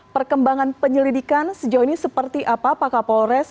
perkembangan penyelidikan sejauh ini seperti apa pak kapolres